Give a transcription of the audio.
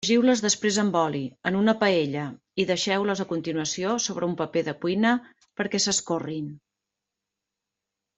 Fregiu-les després amb oli, en una paella, i deixeu-les a continuació sobre un paper de cuina perquè s'escorrin.